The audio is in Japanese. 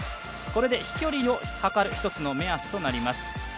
これで飛距離を測る一つの目安となります。